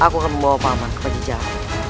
aku akan membawa paman ke penjara